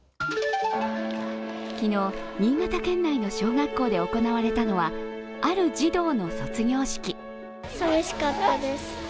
昨日、新潟県内の小学校で行われたのはある児童の卒業式。